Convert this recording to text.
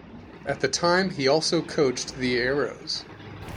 At the time, he also coached the Arrows.